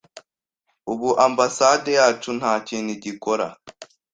ubu ambasade yacu nta kintu igikora,